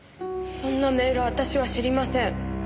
そんなメール私は知りません。